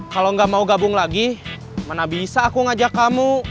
kalau nggak mau gabung lagi mana bisa aku ngajak kamu